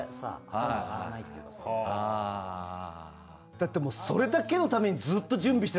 だってもうそれだけのためにずっと準備して。